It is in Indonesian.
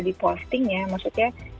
diposting ya maksudnya